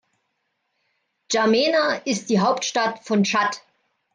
N’Djamena ist die Hauptstadt von Tschad.